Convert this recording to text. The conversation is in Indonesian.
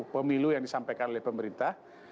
pemilu yang disampaikan oleh pemerintah